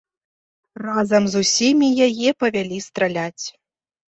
Разам з усімі яе павялі страляць.